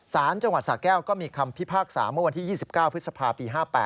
สารจังหวัดสาแก้วก็มีคำพิพากษาเมื่อวันที่๒๙พฤษภาปี๕๘